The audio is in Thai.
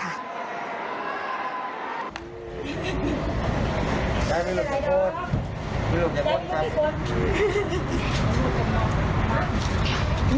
ใครเป็นลูกผู้โฆษคุณลูกอย่าโฆษครับ